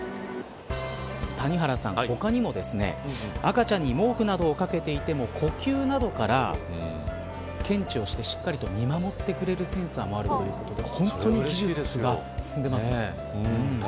谷原さん、他にも赤ちゃんに毛布などをかけていても呼吸などから検知をしてしっかりと見守ってくれるセンサーもあるということで。